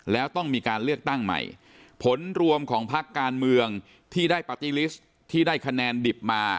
แล้วต้องมีการเลือกตั้งใหม่ผลรวมของพักการเมืองที่ได้ปาร์ตี้ลิสต์ที่ได้คะแนนดิบมา